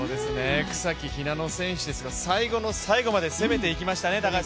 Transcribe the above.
草木ひなの選手ですが、最後の最後まで攻めていきましたね。